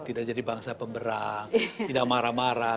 tidak jadi bangsa pemberang tidak marah marah